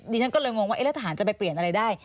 ฉันก็เลยงงว่าแล้วทหารจะไปเปลี่ยนอะไรได้